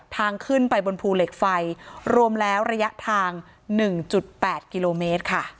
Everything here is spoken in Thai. ทางขึ้นไปบนภูเหล็กไฟรวมแล้วระยะทาง๑๘กิโลเมตรค่ะ